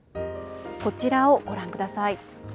こちらをご覧ください。